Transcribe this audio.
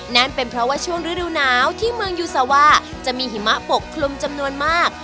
นั่นเป็นเพราะว่าช่วงฤดูหนาวที่เมืองยูซาว่าจะมีหิมะปกคลุมจำนวนมาก